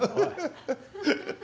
ハハハハ。